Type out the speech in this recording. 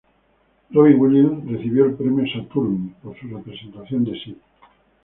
Robin Williams recibió el Premio Saturn por su representación de Sy.